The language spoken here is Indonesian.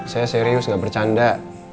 saya serius gak bercanda